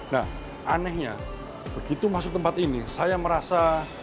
nah anehnya begitu masuk tempat ini saya merasa